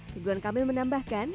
kebutuhan kami menambahkan